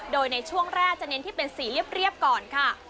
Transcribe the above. โดยในช่วงแรกจะเน้นที่เป็นสีเรียบก่อนค่ะ